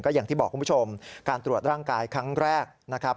อย่างที่บอกคุณผู้ชมการตรวจร่างกายครั้งแรกนะครับ